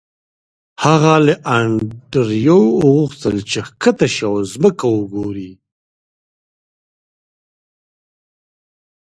هغه له انډریو وغوښتل چې ښکته شي او ځمکه وګوري